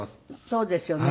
そうですよね。